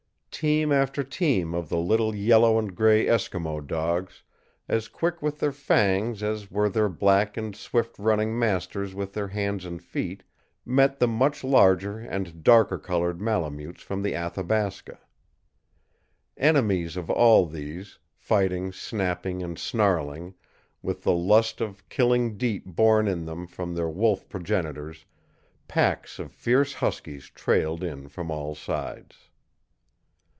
Team after team of the little yellow and gray Eskimo dogs, as quick with their fangs as were their black and swift running masters with their hands and feet, met the much larger and darker colored Malemutes from the Athabasca. Enemies of all these, fighting, snapping, and snarling, with the lust of killing deep born in them from their wolf progenitors, packs of fierce huskies trailed in from all sides.